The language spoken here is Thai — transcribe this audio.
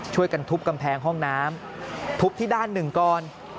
ช่วยกันทุบกำแพงห้องน้ำทุบที่ด้านหนึ่งก่อน